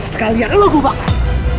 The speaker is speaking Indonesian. sekalian lo gue bakar